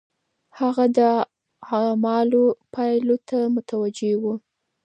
هغه د اعمالو پايلو ته متوجه و.